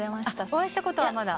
お会いしたことはまだ？